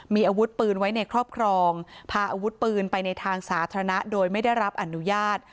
มีอาวุธปืนไว้ในครอบครองพาอาวุธปืนไปในทางสาธารณะโดยไม่ได้รับอนุญาต